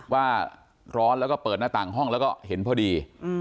ว่าร้อนแล้วก็เปิดหน้าต่างห้องแล้วก็เห็นพอดี